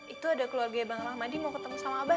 itu ada keluarga bang rahmadi mau ketemu sama abah